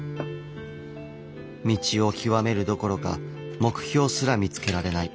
道を究めるどころか目標すら見つけられない。